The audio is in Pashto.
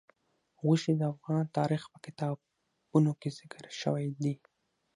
غوښې د افغان تاریخ په کتابونو کې ذکر شوی دي.